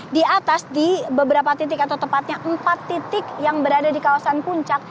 di atas di beberapa titik atau tepatnya empat titik yang berada di kawasan puncak